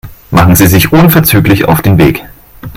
Machen Sie sich unverzüglich auf den Weg.